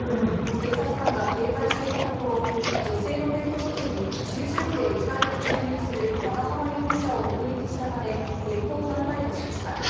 警察官が警戒していたところ、女性のペットボトルに注射器で液体を注入する長浜容疑者を目撃したため現行犯逮捕しました。